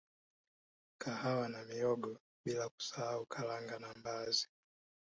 Kahawa na mihogo bila kusahau Karanga na mbaazi